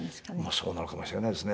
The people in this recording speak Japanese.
そうなのかもしれないですね。